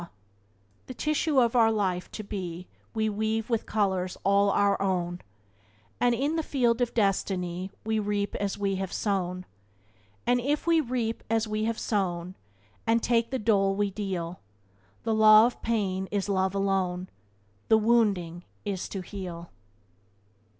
Byways to Blessedness by James Allen 68 "The tissue of our life to be We weave with colors all our own, And in the field of Destiny We reap as we have sown. And if we reap as we have sown, And take the dole we deal, The law of pain is love alone, The wounding is to heal."